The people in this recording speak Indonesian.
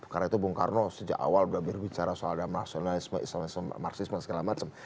karena itu bung karno sejak awal udah berbicara soal ada masyarakat islamisme marxisme segala macam